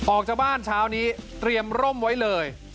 ออกจากบ้านเช้านี้เตรียมร่มไว้เลย